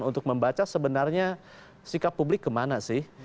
untuk membaca sebenarnya sikap publik kemana sih